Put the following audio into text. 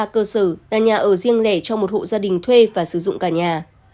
ba cơ sở là nhà ở riêng lẻ cho một hộ gia đình thuê và sử dụng cả nhà